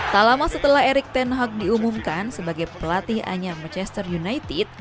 tak lama setelah eric ten hag diumumkan sebagai pelatihannya manchester united